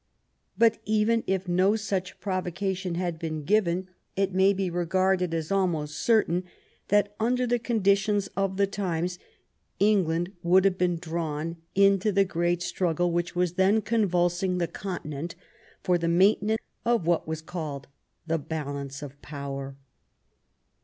But even if no such provocation had been given, it may be regarded as almost certain that, under the con ditions of the times, England would have been drawn 32 WHAT THE QUEEN CAME TO— ABROAD into the great struggle which was then convulsing the continent for the maintenance of what was called the balance of power.